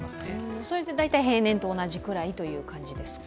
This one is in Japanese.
それで大体平年と同じくらいですか？